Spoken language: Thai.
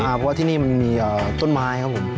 เพราะว่าที่นี่มันมีต้นไม้ครับผม